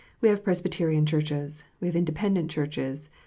We have Presbyterian Churches. We have Independent Churches.